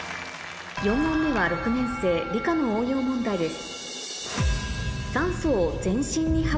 ４問目は６年生理科の応用問題です